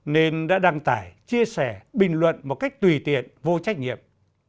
nên đã đăng tải chia sẻ bình luận một cách tùy tiện vô trách nhiệm